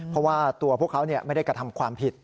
เพราะว่าตัวพวกเขาไม่ได้กระทำความผิด